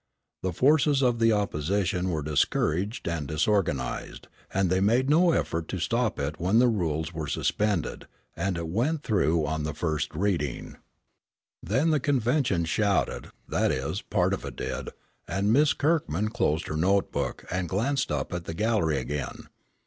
The forces of the opposition were discouraged and disorganized, and they made no effort to stop it when the rules were suspended, and it went through on the first reading. Then the convention shouted, that is, part of it did, and Miss Kirkman closed her notebook and glanced up at the gallery again.